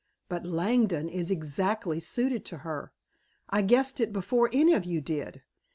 But Langdon is exactly suited to her. I guessed it before any of you did.